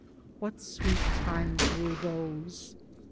What sweet times were those